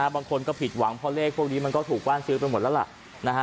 บางคนก็ผิดหวังเพราะเลขพวกนี้มันก็ถูกว่านซื้อไปหมดแล้วล่ะ